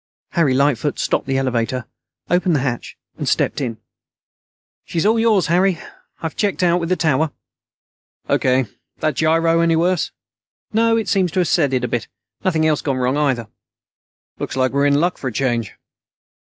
Harry Lightfoot stopped the elevator, opened the hatch, and stepped in. "She's all yours, Harry. I've already checked out with the tower." "O.K. That gyro any worse?" "No, it seems to have steadied a bit. Nothing else gone wrong, either." "Looks like we're in luck for a change."